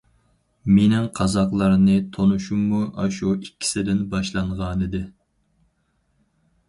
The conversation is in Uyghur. مېنىڭ قازاقلارنى تونۇشۇممۇ ئاشۇ ئىككىسىدىن باشلانغانىدى.